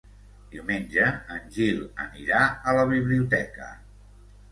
Diumenge en Gil anirà a la biblioteca.